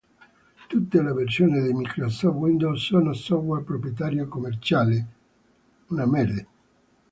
Tutte le versioni di Microsoft Windows sono software proprietario commerciale.